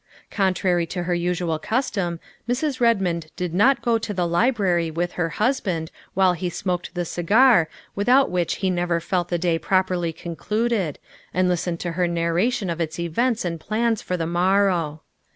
Contrary to her usual custom, Mrs. Eedmond did not go to the library with her husband while he smoked the cigar without which he never felt the day properly con cluded, and listened to her narration of its events and plans for the morrow.